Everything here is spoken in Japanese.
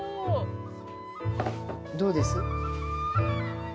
どうです？